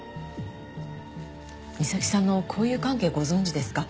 美咲さんの交友関係ご存じですか？